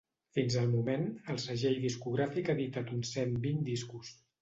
Fins al moment, el segell discogràfic ha editat uns cent vint discos.